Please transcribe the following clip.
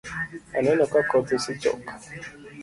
Aneno ka koth osechok